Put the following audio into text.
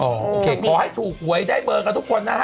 โอเคขอให้ถูกหวยได้เบอร์กันทุกคนนะฮะ